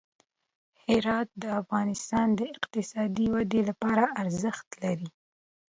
هرات د افغانستان د اقتصادي ودې لپاره ارزښت لري.